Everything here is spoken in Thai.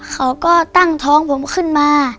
เขาก็ตั้งท้องผมขึ้นมา